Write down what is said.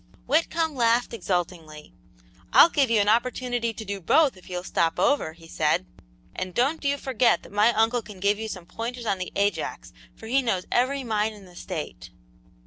Whitcomb laughed exultingly. "I'll give you an opportunity to do both if you'll stop over," he said; "and don't you forget that my uncle can give you some pointers on the Ajax, for he knows every mine in the State."